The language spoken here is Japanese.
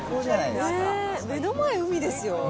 目の前、海ですよ。